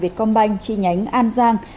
việt công banh chi nhánh an giang